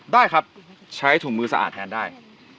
ได้ครับใช้ถุงมือสะอาดแทนได้